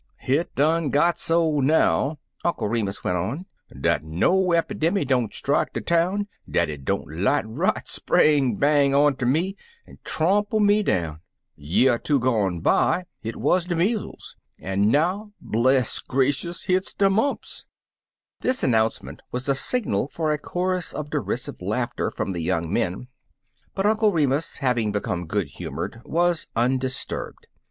Hit done got so now," Uncle Remus went on, "dat no cpidemy don't strike de town dat it don't light right spang bang outer me an' tromple me down. Year er two gone by hit wuz de Uncle Remus Returns measles, an' now, bless gracious! hit's de mumps." This announcement was the signal for a chorus of derisive laughter from the young men, but Uncle Remus, having become good humored, was undisturbed.